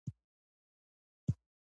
ښه مې و چې پام مې وکړ.